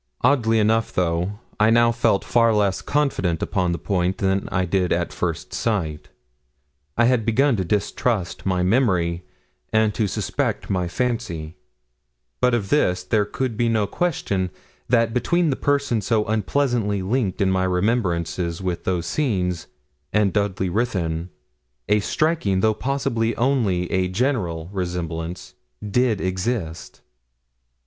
Oddly enough, though, I now felt far less confident upon the point than I did at first sight. I had begun to distrust my memory, and to suspect my fancy; but of this there could be no question, that between the person so unpleasantly linked in my remembrance with those scenes, and Dudley Ruthyn, a striking, though possibly only a general resemblance did exist.